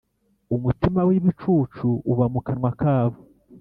Umutima w’ibicucu uba mu kanwa kabo,